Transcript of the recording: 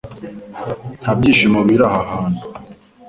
"Nta byishimo biri" aha hantu